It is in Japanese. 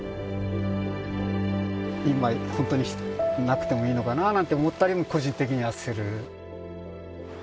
今本当になくてもいいのかななんて思ったりも個人的にはする。